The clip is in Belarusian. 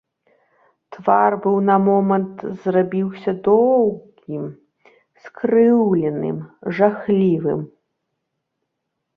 Твар быў на момант зрабіўся доўгім, скрыўленым, жахлівым.